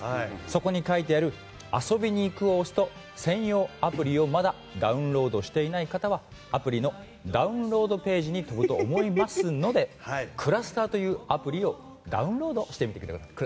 そこに書いてある「遊びに行く」を押すと専用アプリをまだダウンロードしていない方はアプリのダウンロードページに飛ぶと思いますのでｃｌｕｓｔｅｒというアプリをダウンロードしてみてください。